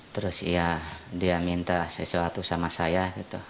terus ya dia minta sesuatu sama saya gitu